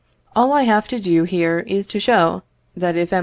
All I have to do here is to show, that if M.